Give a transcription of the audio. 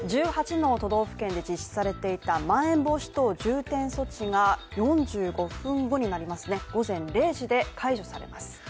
１８の都道府県で実施されていたまん延防止等重点措置が４５分後、午前０時で解除されます。